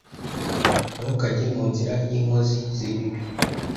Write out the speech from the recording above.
ntukajye mu nzira y’inkozi z’ibibi,